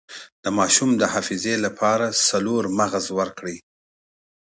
د ماشوم د حافظې لپاره څلور مغز ورکړئ